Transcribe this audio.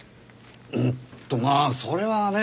うーんとまあそれはね。